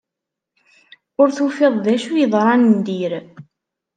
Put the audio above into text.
Ur tufiḍ d acu yeḍṛan n dir.